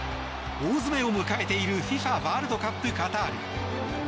大詰めを迎えているＦＩＦＡワールドカップカタール。